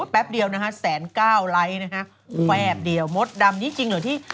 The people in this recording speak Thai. แป๊บเดียวนะฮะแสนเก้าไลค์นะฮะแฟบเดียวมดดำนี้จริงเหรอที่